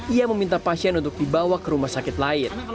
ia meminta pasien untuk dibawa ke rumah sakit lain